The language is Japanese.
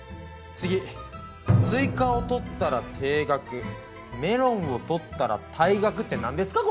次「スイカを盗ったら停学」「メロンを盗ったら退学」ってなんですか？